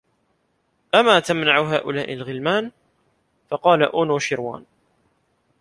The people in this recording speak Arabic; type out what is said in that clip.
أَمَا تَمْنَعُ هَؤُلَاءِ الْغِلْمَانِ ؟ فَقَالَ أَنُوشِرْوَانَ